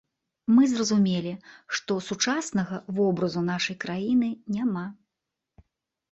Мы зразумелі, што сучаснага вобразу нашай краіны няма.